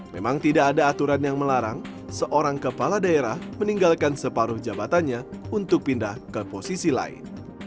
memang tidak ada aturan yang melarang seorang kepala daerah meninggalkan separuh jabatannya untuk pindah ke posisi lain